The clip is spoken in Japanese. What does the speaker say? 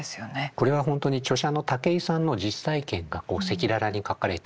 これは本当に著者の竹井さんの実体験が赤裸々に書かれている本なんです。